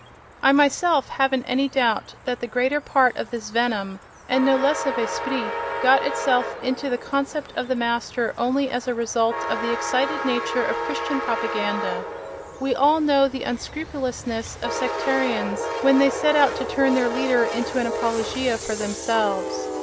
I myself haven't any doubt that the greater part of this venom (and no less of esprit) got itself into the concept of the Master only as a result of the excited nature of Christian propaganda: we all know the unscrupulousness of sectarians when they set out to turn their leader into an apologia for themselves.